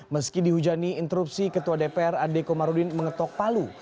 meski dihujani interupsi ketua dpr adeko marudin mengetok palu